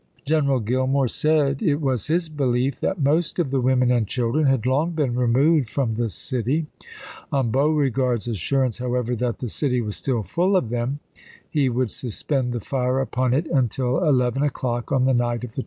General Gillmore said it was his belief that most of the women and children had long been removed from the city ; on Beauregard's assurance, however, that the city was still full of them, he would suspend the fire upon it until eleven o'clock on the night of Aug.